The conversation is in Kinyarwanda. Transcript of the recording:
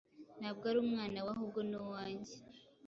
ntabwo ari Umwana we, ahubwo nuwanjye